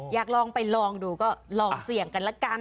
อยากลองไปลองดูก็ลองเสี่ยงกันละกัน